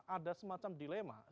ada semacam dilema